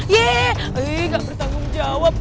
yee eh eh eh gak bertanggung jawab